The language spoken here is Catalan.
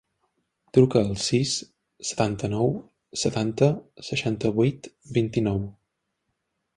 Truca al sis, setanta-nou, setanta, seixanta-vuit, vint-i-nou.